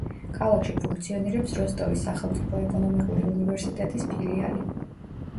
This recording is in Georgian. ქალაქში ფუნქციონირებს როსტოვის სახელმწიფო ეკონომიკური უნივერსიტეტის ფილიალი.